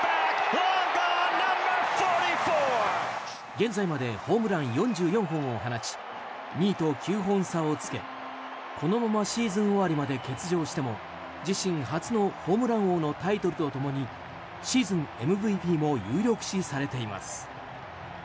現在までホームラン４４本を放ち２位と９本差をつけ、このままシーズン終わりまで欠場しても自身初のホームラン王のタイトルと共にシーズンＭＶＰも有力視されています。